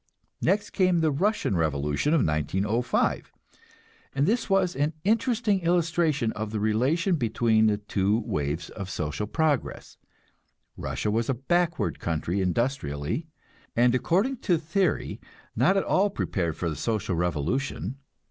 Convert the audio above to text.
Next came the Russian revolution of 1905, and this was an interesting illustration of the relation between the two waves of social progress. Russia was a backward country industrially, and according to theory not at all prepared for the social revolution.